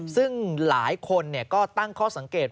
ซึ่งหลายคนก็ตั้งข้อสังเกต